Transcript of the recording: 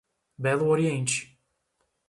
Belo Oriente